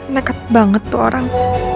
neket banget tuh orang